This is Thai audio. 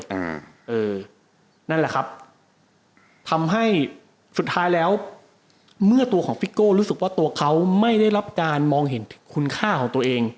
อืมเออนั่นแหละครับทำให้สุดท้ายแล้วเมื่อตัวของฟิโก้รู้สึกว่าตัวเขาไม่ได้รับการมองเห็นคุณค่าของตัวเอง